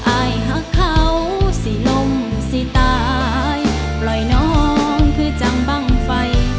อายหักเขาสิลมสิตายปล่อยน้องคือจังบ้างไฟ